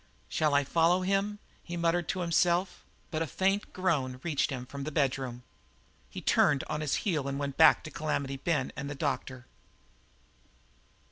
"Shall I follow him?" he muttered to himself, but a faint groan reached him from the bedroom. He turned on his heel and went back to Calamity Ben and the doctor.